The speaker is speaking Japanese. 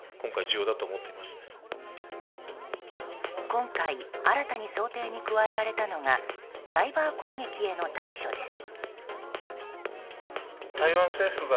今回、新たに想定に加えられたのがサイバー攻撃への対処です。